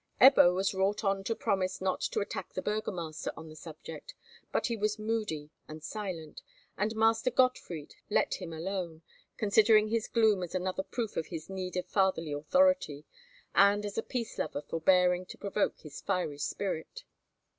Ebbo was wrought on to promise not to attack the burgomaster on the subject, but he was moody and silent, and Master Gottfried let him alone, considering his gloom as another proof of his need of fatherly authority, and as a peace lover forbearing to provoke his fiery spirit.